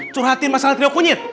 curhatin masalah trio kunyit